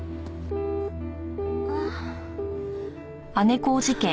ああ。